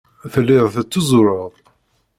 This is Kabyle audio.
Telliḍ tettuzureḍ.